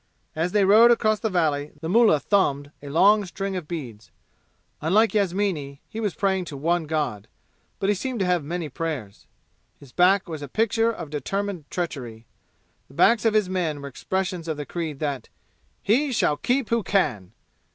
As they rode across the valley the mullah thumbed a long string of beads. Unlike Yasmini, he was praying to one god; but he seemed to have many prayers. His back was a picture of determined treachery the backs of his men were expressions of the creed that "He shall keep who can!"